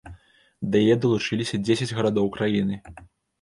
Да яе далучыліся дзесяць гарадоў краіны.